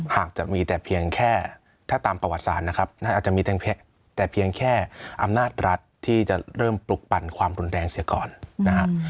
หากจะมีแต่เพียงแค่ถ้าตามประวัติศาสตร์นะครับอาจจะมีแต่เพียงแค่อำนาจรัฐที่จะเริ่มปลุกปั่นความรุนแรงเสียก่อนนะฮะ